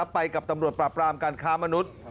ไปกับตำรวจปราบรามการค้ามนุษย์